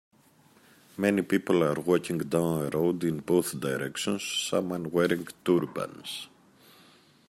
Many people are walking down a road in both directions, some are wearing turbans